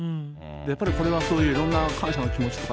やっぱりこれはそういういろんな感謝の気持ちとか、